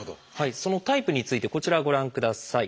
そのタイプについてこちらをご覧ください。